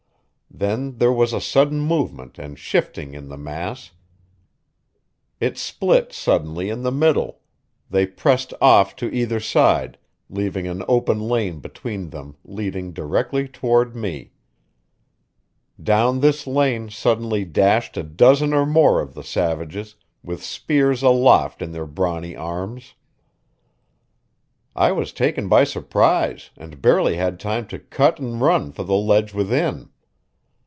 Then there was a sudden movement and shifting in the mass; it split suddenly in the middle; they pressed off to either side, leaving an open lane between them leading directly toward me. Down this lane suddenly dashed a dozen or more of the savages, with spears aloft in their brawny arms. I was taken by surprise and barely had time to cut and run for the ledge within.